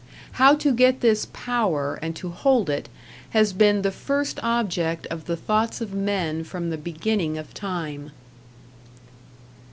How to get this Power and to hold it has been the first object of the thoughts of men from the beginning of time.